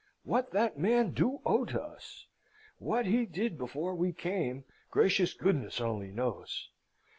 What that man do owe to us: what he did before we come gracious goodness only knows!